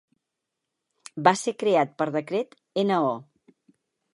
Va ser creat per decret No.